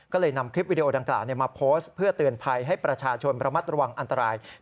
ก็เลยนำคลิปวิดีโอดังกล่าวมาโพสต์เพื่อเตือนภัยให้ประชาชนระมัดระวังอันตราย